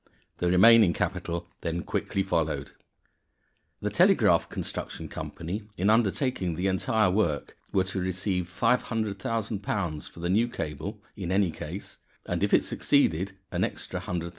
The remaining capital then quickly followed. The Telegraph Construction Company, in undertaking the entire work, were to receive £500,000 for the new cable in any case; and, if it succeeded, an extra £100,000.